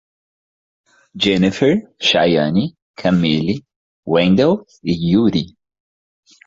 Dienifer, Chaiane, Camille, Wendell e Iure